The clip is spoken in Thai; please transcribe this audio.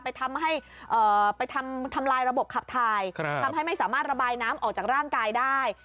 ทำให้ไปทำลายระบบขับถ่ายทำให้ไม่สามารถระบายน้ำออกจากร่างกายได้